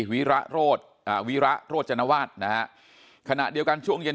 วิระโรธอ่าวิระโรจนวาสนะฮะขณะเดียวกันช่วงเย็น